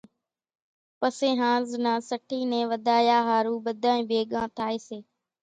پسيَ ۿانز نان سٺِي نين وڌايا ۿارُو ٻڌانئين ڀيڳا ٿائيَ سي۔